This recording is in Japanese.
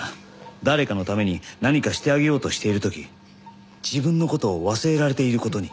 誰かのために何かしてあげようとしている時自分の事を忘れられている事に。